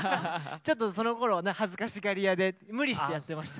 ちょっとそのころはね恥ずかしがり屋で無理してやってました。